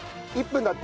１分？